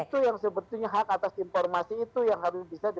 itu yang sebetulnya hak atas informasi itu yang harus bisa di